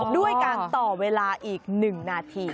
ด้วยการต่อเวลาอีก๑นาที